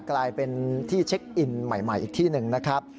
กลายเป็นที่เช็คอินใหม่อีกที่หนึ่งนะครับ